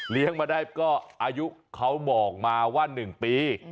เลี้ยงมาได้ก็อายุเขาบอกว่า๑ปี